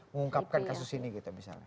mengungkapkan kasus ini gitu misalnya